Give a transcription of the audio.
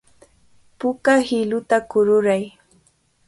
Puka hiluta kururay.